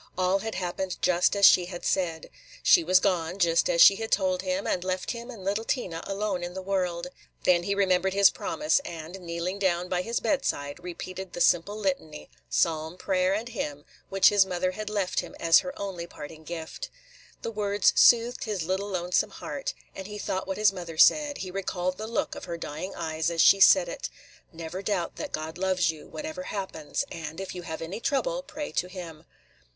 All had happened just as she had said. She was gone, just as she had told him, and left him and little Tina alone in the world. Then he remembered his promise, and, kneeling down by his bedside, repeated the simple litany – psalm, prayer, and hymn – which his mother had left him as her only parting gift. The words soothed his little lonesome heart; and he thought what his mother said, – he recalled the look of her dying eyes as she said it, – "Never doubt that God loves you, whatever happens, and, if you have any trouble, pray to him."